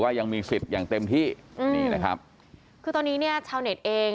ยังมีสิทธิ์อย่างเต็มที่อืมนี่นะครับคือตอนนี้เนี่ยชาวเน็ตเอง